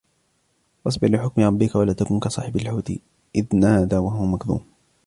فَاصْبِرْ لِحُكْمِ رَبِّكَ وَلا تَكُن كَصَاحِبِ الْحُوتِ إِذْ نَادَى وَهُوَ مَكْظُومٌ